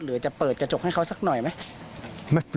หรือจะเปิดกระจกให้เขาสักหน่อยไหม